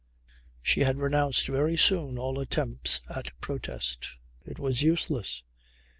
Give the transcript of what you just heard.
She had renounced very soon all attempts at protests. It was useless.